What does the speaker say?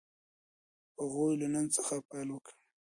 هغوی له نن څخه پيل وکړ.